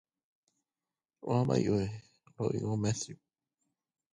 He also reversed the policy of selling public lands.